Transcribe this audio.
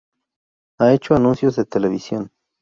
Ha hecho anuncios de televisión.